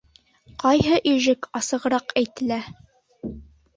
Ҡайһы ижек асығыраҡ әйтелә?